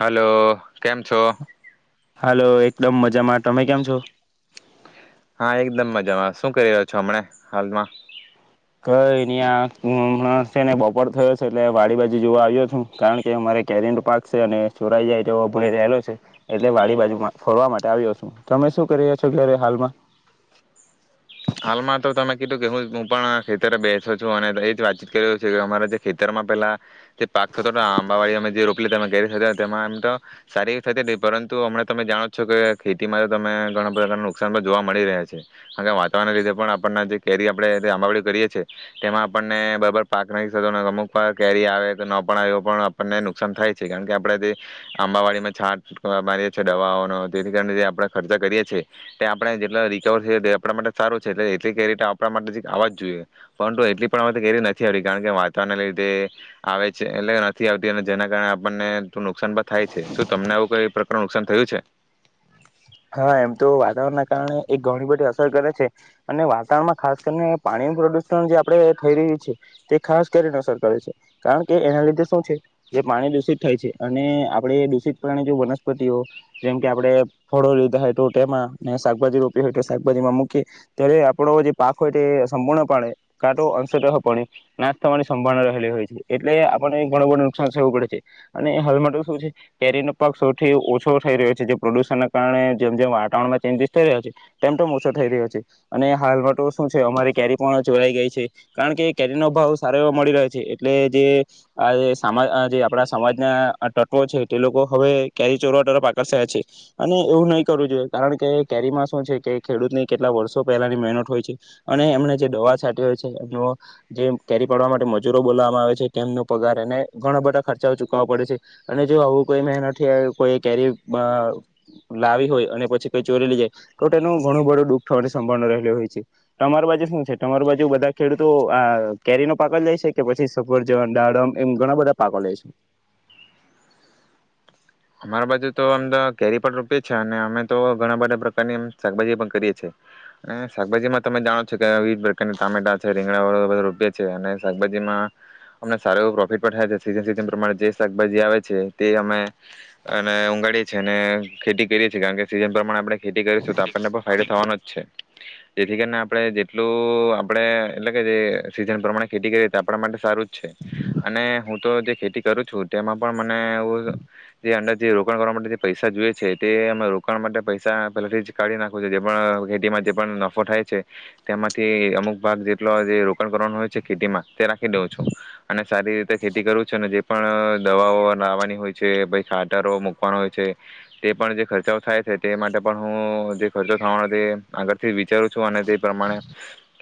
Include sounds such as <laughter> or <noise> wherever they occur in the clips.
Hello. હાલો એક એકદમ મજામાં. તમે કેમ છો? હા એકદમ મજામાં શું કરી રહ્યો છો હમણા હાલમાં કાઈ નઇ આ હુ હમણાં નવરાશ થઈન બપોળ થયો છે એટલે વાડી બાજુ જોવા આવ્યો છું કારણ કે અમારે કેરીનો પાક છે અને ચોરાઈ જાય જેો ભ રહેલો છે એટલે વાડી બાજુમાં ફોરવા માટે આવ્યો છું. તમે શું કરી રહ્યા છો ઘરમાં હાલમાં? હાલમાં તો તમે કીધું કે હું હું પણ ખેતરે બેસુ છું અને એ જ વાતચીત કર છે કે અમારા જે ખેતરમાં પેલા જે પાક થતો આંબાવાડી અમે જે રોપલી તમે ઘેરીતા તેમાં એમ તો સારી થતી નહી પરંતુ હમ તમે જાણો જ છો કે ખેતીમાં તો તમે ઘણા પ્રકાર નુકસાન તો જોવા મળી રહ્યા છે. હવે વાત દવાના લીધે પણ આપણને જે કેરી આપણે આંબાવાડી કરીએ છીએ તેમાં આપણને બરાબર પાક નાખીશ તો અમુક કેરી આવે કે ન પણ આવે એવ પણ આપણને નુકસાન થાય છે કારણ કે આપણે જે આંબાવાડીમાં છાંટ મારીએ છીએ દવાઓનો તેથી કરીને આપણે જે ખર્ચાઓ કરીએ છીએ તે આપણે જેટલા રિકવર થઇ આપણા માટે સારું છે એટલે એટલી કેરી આપણા માટે આવવા જ જોઈએ પરંતુ એટલી પણ કેરી નથી આવતી કારણ કે વાતાવરણ લીધે આવે છે એટલે નથી આવતી અને જેના કારણે આપણને નુકસાન પણ થાય છે શું તમને આવું કઈ પ્રકારનું નુકસાન થયું છે. હા એમ તો વાતાવરણના કારણે એ ઘણી બધી અસર કરે છે અને વાતાવરણમાં ખાસ કરીને પાણીનું પ્રદુષણ જે આપણે થઈ રહ્યું છે તે ખાસ કરીને અસર કરે છે કારણ કે એના લીધે શું છે જે પાણી દૂષિત થાય છે અને આપણે દૂષિત પ્રણી જે વનસ્પતિઓ જેમ કે આપણે ફળો રોપેલા હોય તો તેમાં શાકભાજી રોપી હોય તો શાકભાજીમાં મૂકીએ ત્યારે આપણો જે પાક હોય તે સંપૂર્ણપણે કાંટો અંશદ્રહ પણે નાશ થવાની સંભાવના રહેલી હોય છે એટલે આપણને ઘણું બધું નુકસાન થવું પડે છે અને હાલમાં તો શું છે કેરીનો પાક સૌથી ઓછો થઈ રહ્યો છે. જે પ્રદુષણ કારણે જેમ જેમ વાતાવરણમાં ચેન્જીસ થઈ રહ્યો છે તેમ તો ઓછો થઈ રહ્યો છે અને હાલ તો શું છે અમારી કેરી પણ ચોરાઈ ગઈ છે કારણ કે એ કેરીનો ભાવ સારો એ મળી રહ્યો છે એટલે જે આ સામા જે આપણા સમાજના તત્વો છે તે લોકો હવે કેરી ચોરવા તરફ આકર્ષાયયા છે અને એવું નહીં કરવું જોઈએ કારણ કે કેરીમાં શું છે કે ખેડૂતની કેટલા વર્ષો પહેલાની મહેનત હોય છે અને એમને જે દવા છાંટી હોય છે એમનો જે કેરી પાડવા માટે મજૂરો બોલવામાં આવે છે તેમનો પગાર એને ઘણા બધા ખર્ચાઓ ચૂકવવા પડે છે અને જો આવું કોઈ મહેનત કોઈ કેરી લાવી હોય અને પછી કઈ ચોરી લઈ જાય તો તેનું ઘણું બધું દુઃખ થવાની સંભાવના રહેલી હોય છે. તમાર બાજુ શું છે તમાર બાજુ બધા ખેડૂતો આ કેરીનો પાકો લે છે કે પછી સફરજ ડાડમ એમ ઘણા બધા પાકો લે છે અમારા બાજુ તો અમ તો કેરી પણ રોપીએ છીએ અને અમે તો ઘણા બધા પ્રકારની શાકભાજી પણ કરીએ છીએ અને શાકભાજીમાં તમે જાણો છો કે વિવિધ પ્રકારના ટામેટા છે રીંગડાવાળો બધો રોપએેી છે અને શાકભાજીમાં અમનેાર એવું પ્રોફિટ પણ થાય છે સીઝન સિઝન પ્રમાણે જે શાકભાજી આવે છે તે અમે અને ઉગાડી છે ને ખેતી કરીએ છીએ કારણ કે સિઝન પ્રમાણે આપણે જેથી કરીશું તો આપણને પણ ફાયદો થવાનો જ છે જેથી કરીને આપણે જેટલું આપણે એટલે કે જે સિઝન પ્રમાણે ખેતી કરીએ તો આપણા માટે સારું જ છે અને હું તો જે ખેતી કરું છું તેમાં પણ મને એવું જે અંદર જે રોકાણ કરવા માટે જે પૈસા જોએ છે તે અમે રોકાણ માટે પૈસા પેલાથી જ કાઢી નાખું છે જે પણ ખેતીમાં જે પણ નફો થાય છે તેમાંથી અમુક ભાગ જેટલો જે રોકાણ કરવાનો હોય છે ખેતીમાં તે રાખી દઉં છું અને સારી રીતે ખેતી કરું છું અને જે પણ દવાઓ લાવવાની હોય છે ખાતરો મૂકવાનો હોય છે તે પણ જે ખર્ચાઓ થાય છે તે માટે પણ હું જે ખર્ચો થવાનો તે આગળથી વિચારું છું અને તે પ્રમાણે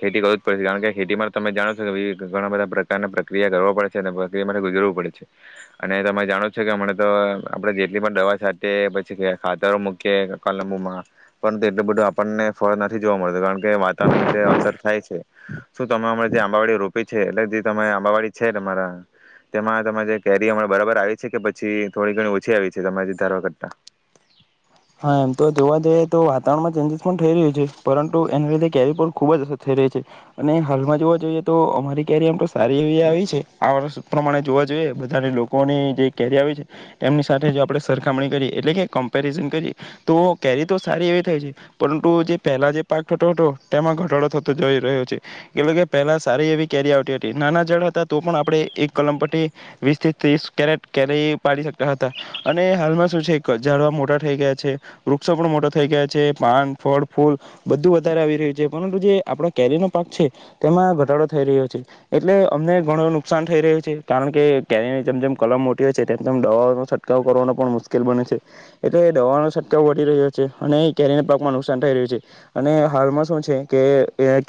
ખેતી કરવી જ પડેશે કારણ કે ખેતીમાં તમે જાણો છો કે ઘણા બધા પ્રકારના પ્રક્રિયા કરવા પડે છે અને પ્રક્રિયા માટે ગુજરવું પડે છે અને તરે જાણો જ છે કે હમણાં તો આપણે જેટલી પણ દવા છાંટીએ પછી ખાતરો મૂકીએ કલંબુમાં પરંતુ એટલું બધું આપણને ફર નથી જોવા મળતો કારણ કે વાતાવરણના લીધે અસર થાય છે શું તમે અમણે જે આંબાવાડી રોપી છે એટલે જે તમે આંબાવાડી છે તમારા તેમાં તમારે જે કેરી અ બરાબર આવી છે કે પછી થોડી ઘણી ઓછી ઓછી આવી છે તમારી ધારવા કરતા. હા એમ તો જોવા જઈએ તો વાતાવરણમાં ચેન્જીસ પણ થઈ રહ્યું છે પરંતુ એના લીધે કેરી પર ખૂબ જ અસર થઈ રહી છે અને હાલમાં જોવા જોઈએ તો અમારી કેરી આમ તો સારી એવી આવી છે આ વર્ષ પ્રમાણે જોવા જોઈએ બધા લોકોની જે કેરી આવી છે એમની સાથે જો આપણે સરખામણી કરીએ એટલે કે કમ્પેરિઝન તો કેરી તો સારી એવી થઈ છે પરંતુ જે પહેલા જે પાક થતો હતો તેમાં ઘટાડો થતો જઈ રહ્યો છે એટ કે પહેલા સારી એવી કેરી આવતી હતી નાના જળ હતા તો પણ આપણે એક કલમ પી વીસ થી ત્રીસ કેરેટ કેરી પાડી શકતા હતા અને હાલમાં શું છે જળવા મોટા થઈ ગયા છે વૃક્ષો પણ મોટો થઈ ગયા છે પાન ફળ ફૂલ બધું વધારે આવી રહ્યું છે પરંતુ જે આપણા કેરીનો પાક છે તેમાં ઘટાડો થઈ રહ્યો છે એટલે અમને ઘણું નુકસાન થઈ રહ્યું છે કારણ કે કેરીની જેમ જેમ કલમ મોટી હોય છે તેમ તેમ દવાનો છટકાવ કરવાનો પણ મુશ્કેલ બને છે. એટલે એ દવાનો છટકાવ ધી રહ્યો છે અને એ કેરીના પાકમાં નુકસાન થઈ રહ્યું છે અને હાલમાં શું છે કે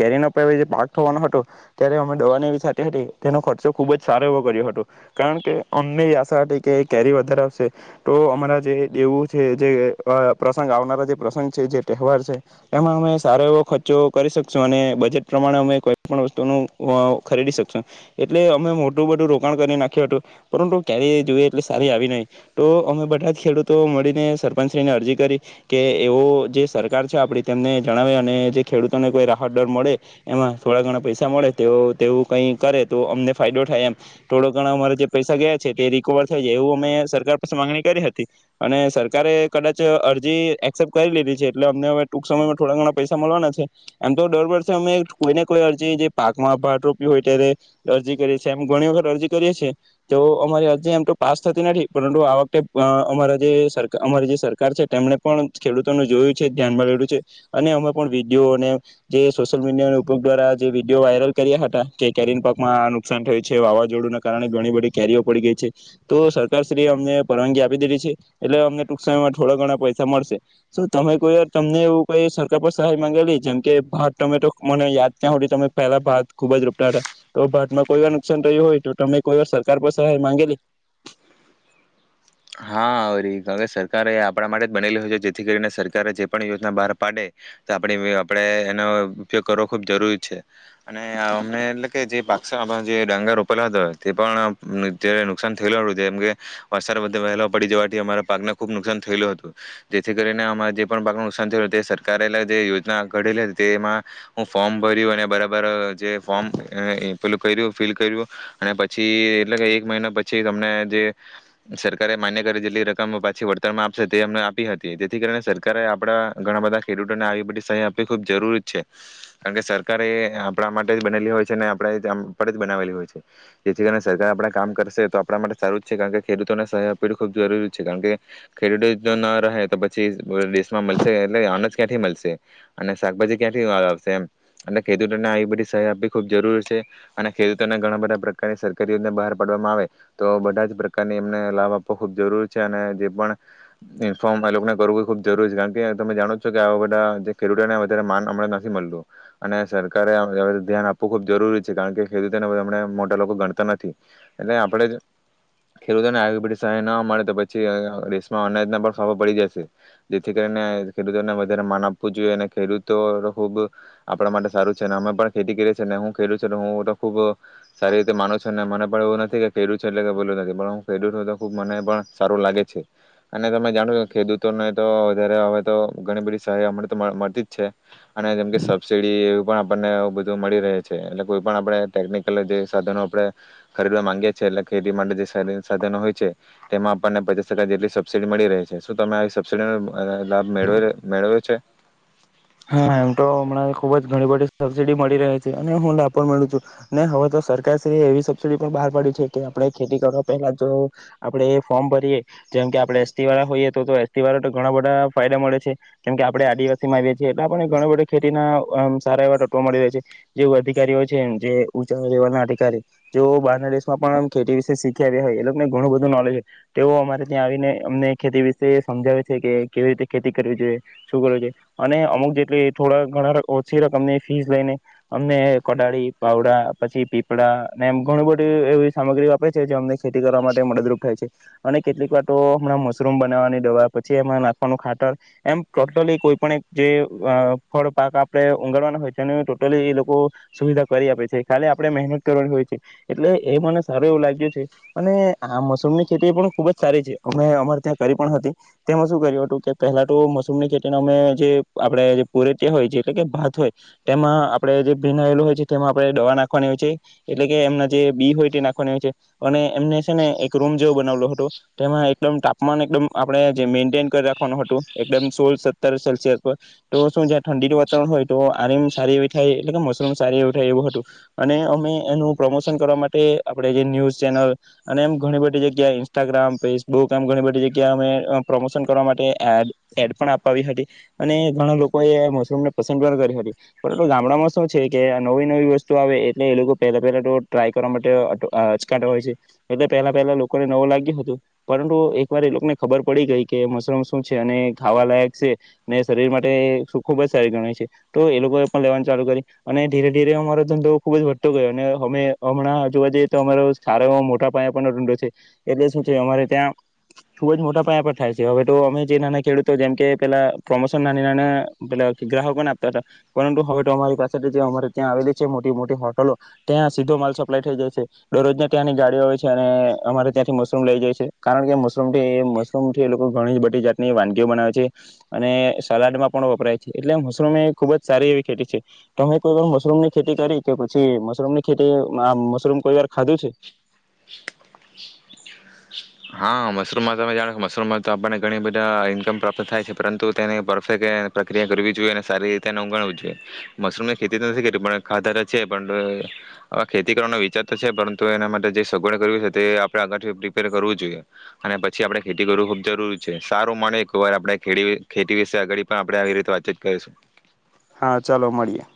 કેરીનો <unintelligible> જે પાક થવાનો હતો ત્યારે અમે દવાની એવી છાટી હતી તેનો ખર્ચો ખૂબ જ સારો એવો કર્યો હતો કારણ કે અમને એ આશા હતી કે કેરી વધારે આવશે તો અમારા જે દેવું જે જે અ પ્રસંગ આવનારા જે પ્રસંગ છે જે તહેવાર છે એમાં અમે સારો એવો ખર્ચો કરી શકશું અને બજેટ પ્રમાણે અમે કોઈ પણ વસ્તુનું અ ખરીદી શકશું એટલે અમે મોટું બધું રોકાણ કરી નાખ્યું હતું પરંતુ કેરી જોઈએ એટલે સારી આવી નહીં તો અમે બધા જ ખેડૂતો મળી સરપંચશ્રીને અરજી કરી કે એવો જે સરકાર છે આપડી તેમને જણાવે અને જે ખેડૂતોને કોઈ રાહત દર મળે એમાં થોડા ઘણા પૈસા મળે તો તેવું કઈ કરે તો અમને ફાયદો થાય એમ થોડો ઘણા અમારે જે પૈસા ગયા છે તે રિકવર થઈ જાય એવું અમે સરકાર પાસે માંગણી કરી હતી અને સર કારે કદાચ અરજી એક્સેપ્ટ કરી લીધી છે એટલે અમને હવે ટૂંક સમયમાં થોડા ઘણા પૈસા મળવાના છે એમ તો દર વર્ષે અમે કોઈને કોઈ અરજી જે પાકમાં ભાત રોપ્યું ત્યારે અરજી કરી છી એમ ઘણી વખત અરજી કરીએ છીએ તો અમારી અરજી એમ તો પાસ થતી નથી પરંતુ આ વખતે અમારા જે અમારી જે સરકાર છે તેમણે પણ ખેડૂતોને જોયું છે ધ્યાનમાં <unintelligible> છે અને અમે પણ વિડીયો અને જે સોશિયલ મીડિયા ઉપયોગ દ્વારા જે વિડીયો વાયરલ કર્યા હતા કે કેરી પાકમાં આ નુકસાન થયું છે વાવાઝોડું ના કારણે ઘણી બધી કેરીઓ પડી ગઈ છે તો સરકારશ્રી અમને પરવાનગી આપી દીધી છે એટલે અમે ટક સમયમાં થોડા ઘણા પૈસા મળશે તો તમે કોઈ વાર તમને એવું કઈ સરકાર પર સહાય માંગેલી જેમ કે ભાત તમે તો મને યાદ ક્યાં હો તમે પેલા ભાત ખુબ જ રોપટ હતા તો ભાતમાં કોઈ વાર નુકસાન રહ્યું હોય તો તમે કોઈ વાર સરકાર પર સહાય માંગેલી હા વરી અવે સરકારે આપણા માટે જ બનેલી હોય છે જેથી કરીને સરકારે જે પણ યોજના બહાર પાડે તો આપડે આપડે એનો ઉપયોગ કરવો ખૂબ જરૂરી છે અને અમને એટલે કે જે પાક સે અમારો જે ડાંગર રોપેલો હતો તે પણ તારે નુકસાન થયેલું હતું જેમ કે વરસાદ વ વહેલો પડી જવાથી અમારા પાકને ખુબ નુકસાન થયેલું હતું જેથી કરીને અમારે જે પણ પાક નુકસાન થયું સરકારે જે યોજના ઘડેલી હતી તેમાં હું ફોર્મ ભર્યું અને બરાબર જે ફોર્મ એ પેલું કર્યું ફિલ કર્યું અને પછી એટલે કે એક મહિના પછી તમને જે સર સરકારે માન્ય કરે જેટલી રકમ પાછી વળતરમાં આપશે તે અમને આપી હતી જેથી કરીને સરકારે આપણા ઘણા બધા ખેડૂતોને આવી બધી સહાય આપવી ખૂબ જરૂરી જ છે કારણ કે સરકારે એ આપણા માટે જ બનેલી હોય છે ને આપણે જ બનાવેલી હોય છે જેથી કરીને સરકાર આપણા કામ કરશે તો આપણા માટે સારું જ છે કારણ કે ખેડૂતોને સહાય આપ બધું ખૂબ જરૂરી છે કારણ કે ખેડૂતો જો ન રહે તો પછી દેશમાં મલશે એટલે અનજ ક્યાંથી મલશે અને શાકભાજી ક્યાંથી આવશે એમ અને ખેડૂતોને આવી બધી સહાય આપવી ખૂબ જરૂરી છે અને ખેડૂતોને ઘણા બધા પ્રકારની સરકારી યોજના બહાર પાડવામાં આવે તો બધા જ પ્રકારની એમને લાભ આપ ખૂબ જરૂરી છે અને જે પણ ઇન્ફોર્મ એ લોકોને કરવું ખૂબ જરૂરી છે કારણ કે તમે જાણો છો કે આવા બધા ખેડૂતોને વધારે માન અમ નથી મળતું અને સરકારે ધ્યાન આપવું ખૂબ જરૂરી છે કારણ કે ખેડૂતોનેમ મોટા લોકો ગણતા નથી એટલે આપણે ખેડૂતોને સહાય ના મળે તો પછી <unintelligible> અનાજના પણ ફાફા પડી જશે જેથી કરીને ખેડૂતોને વધારે માન આપવું જોઈએ અને ખેડૂતો ખૂબ આપણા માટે સારું છે અને અમે પણ ખેતી કરીએ છીએ ને હું ખેડૂત છે તો હું તો ખૂબ સારી રીતે માનું છું ને મને પણ એવું નથી કે ખેડૂત છે એટલે કે <unintelligible> ખૂબ મને પણ સારું લાગે છે અને તમે જાણો છો ખેડૂતોને તો વધારે હવે તો ઘણી બધી સહાય મળ મળતી જ છે અને જેમકે સબસિડી એવી પણ આપણને બધું મળી રહે છે એટલે કોઈ પણ આપણે ટેકનિકલ જે સાધનો આપણે ખરીદવા માંગીએ છીએ એટલે ખેતી માટે જે સાધનો હોય છે તેમાં આપણને પચીાસ ટકા જેટલી સબસિડી મળી રહે છે શું તમે આવી સબસિડી લાભ મેળવેલો મેળવ્યો છે. હા એમ તો હમણાં ખુબ જ ઘણી બધી સબસિડી મળી રહે છે અને હું લાભ પણ મળુ છું ને હવે તો સરકાર શ્રી એવી સબસિડી પણ બહાર પાડી છે કે આપણેે ખેતી કરવા પહેલા જો આપડે એ ફોર્મ ભરીએ જેમ કે આપણેે એસટી વાળા હોઈએ તો એસટી વાળા તો ઘણા બ બધાં ફાયદા મળે છે કેમ કે આપણે આદિવાસી માં આવીએ છીએ એટલે આપને ઘણી બધે ખેતીના અ સારા એવા તત્વો મળી રહે છે જે અધિકારી હોય છે જે ઉંચાેવ ના અધિકારી જેઓ બહારના દેશમાં પણ ખેતી વિશે શીખી આવ્યા હોય એ લોકોને ઘણું બધું નોલેજ તેઓ અમારે ત્યાં આવીને અમને ખેતી વિશે સમજાવે છે કે કેવી રીતે ખેતી કરવી જોઈએ શું કરવું જોઈએ અને અમુક જેટલી થોડા ઘણા ઓછી રકમની ફીસ લઈને અમને કોઢાળી પાવડા પછી પીપળા અને એમ ઘણું બધું એવી સામગ્રી આપે છે જે અમને ખેતી કરવા માટે મદદરૂપ થાય છે અને કેટલીક વાતો હમણાં મશરૂમ બનાવવાની દવા પછી એમાં <unintelligible> ખાટર એમ ટોટલી કોઈ પણ એક જે ફળ પાક આપણે ઉગડવાના હોય છે એ ટોટલી એ લોકો સુવિધા કરી આપે છે ખાલી આપણે મહેનત કરવાની હોય છે એટલે એ મને સારું એવું લાગ્યું છે અને આ મશરૂમ ની ખેતી પણ ખુબ જ સારી છે અમે અમારે ત્યાં કરી પણ હતી તેમાં શું કર્યું પહેલા તો મશૂમની ખેતી અમે જે આપણે જે પુરેટિયા હોય એટલે કે ભાત હોય તેમાં આપણે જે ભીનાયેલું હોય છે તેમાં આપણે દવા નાખવાની હોય છે એટલે કે એમના જે બી હોય તે નાખવાની હોય છે અને એમને સે ને એક રૂમ જેવો બનાવલુ હતું તેમાં એકદમ તાપમાન એકદમ આપણે જે મેન્ટેન કરી રાખ સોલ સત્તર સેલ્સિયસ પર તો શું જ્યાં ઠંડીનું વાતાવરણ હોય તો આમ સારી એવી થાય એટલે કે મોશરૂમ સારી એવું થાય એવું હતું અને અમે એનું પ્રમોશન કરવા માટે આપ જે ન્યૂઝ ચેનલ અને એમ ઘણી બધી જગ્યા ઇન્સ્ટાગ્રામ ફેસબુક એમ ઘણી બધી જગ્યા અમે પ્રમોશન કરવા માટે ી હતી અને ઘણા લોકો એ મશરૂમને પસંદ પણ કરી હતી પરંતુ ગામડામાં શું છે કે નવી નવી વસ્તુ આવે એટલે એ લોકો પહેલા પહેલા તો ટ્રાય કરવા માટે અચકાતા હોય છે એટલે પહેલા પહેલા લોકોને નવું લાગ્યું હતું પરંતુ એક વાર એ લોકોને ખબર પડી ગઈ કે મશરૂમ ખાવા લય છે અનેને શરીર માટે ખૂબ જ સારી ગણાય છે તો એ લોકો એ પણ લેવાનું ચાલુ કરી અને ધીરે ધીરે અમારો ધંધો ખુબ જ વધતો ગયો અને અમે હમણાં જોવા જઈએ તો અમારો સારો એ મોટા પાયા પરનો ઊંડો છે એટલે શું છે અમારે ત્યાં ખુબ જ મોટા પાયા પર થાય છે હવે તો અમે જે નાના ખેડૂતો જેમ કે પેલા પ્રમોશન નાની નાના પે ગ્રાહકો ને આપતા હતા પરંતુ હવે તો અમારી પાસેથી જે અમારે ત્યાં આવેલી છે મોટી મોટી હોટલો ત્યાં સીધો માલ સપ્લાય થઈ જાય છે દરરોજ ના ત્યાંની ગાડીઓ આવે છે અને અમારે ત્યાંથી મશરૂમ લઈ જાય છે કારણ કે મશરૂમ થી મશરૂમથી એ લોકો ઘણી જ બધી જાત ની વાનગીઓ બનાવે છે અને સલાડમાં પણ વપરાય છે એટલે મશરૂમ એ ખુબ જ સારી એવી ખેતી છે તોમે કોઈ વાર મશરૂમ ની ખેતી કરી કે પછી મશરૂમ ની ખેતી મશરૂમ કોઈ વાર ખાધું છે <inaudible> હા મશરૂમ માં તો તમે જાણો મશરૂમ માં તો આપણને ઘણી બધા ઈન્કમ પ્રાપ્ત થાય છે પરંતુ તેને પરફેક્ટ પ્રક્રિયા કરવી જોઈએ અને સારી રીતેને ઉગાણવું જોઈએ મશરૂમ ની ખેતી તો નથી કરી પણ ખાધા તો છે પણ અવા ખેતી કરવાનો વિચાર તો છે પરંતુ એના માટે જે સગવડ કરવી છે તે આપણે આગળથી પ્રિપેર કરવું અને પછી આપડણે ખેતી કરવું ખુબ જરૂરી છે સારું મા એક વાર આપણે ખેતી વિશે આગ પણ આપણે આવી રીતે વાતચીત કરીશું હા ચાલો મળીએે